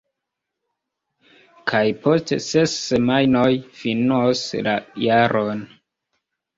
Kaj post ses semajnoj finos la jaron.